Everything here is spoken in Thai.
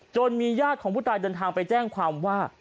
มีญาติของผู้ตายเดินทางไปแจ้งความว่า